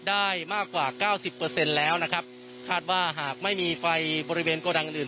ได้มากกว่าเก้าสิบเปอร์เซ็นต์แล้วนะครับคาดว่าหากไม่มีไฟบริเวณโกดังอื่น